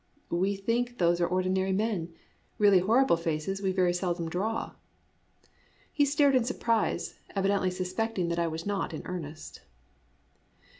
" We think those are ordinary men. Really horrible faces we very seldom draw." He stared in surprise, evidently suspecting that I was not in earnest.